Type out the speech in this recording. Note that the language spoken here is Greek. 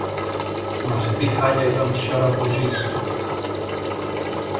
Μα σε τι χάλια ήταν ο σιορ-Αμπρουζής!